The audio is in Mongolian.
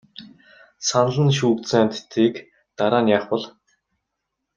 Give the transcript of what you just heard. Санал нь шүүгдсэн амьтдыг дараа нь яах бол?